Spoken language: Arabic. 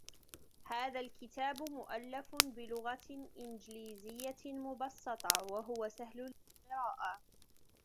هذا الكتاب مؤلف بلغة إنجليزية مبسّطة و هو سهل للقراءة.